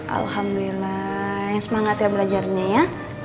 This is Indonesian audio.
alhamdulillah yang semangat ya belajarnya ya